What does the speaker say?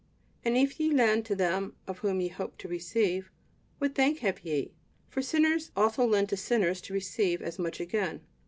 And if ye lend to them of whom ye hope to receive, what thank have ye? for sinners also lend to sinners to receive as much again.